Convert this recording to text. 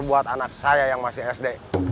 buat anak saya yang masih sd